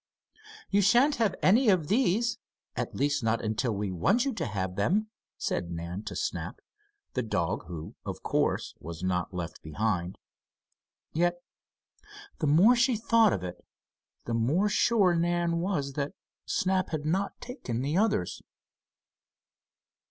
"You shan't have any of these at least not until we want you to have them," said Nan to Snap, the dog, who, of course, was not left behind. Yet, the more she thought of it the more sure Nan was that Snap had not taken the others.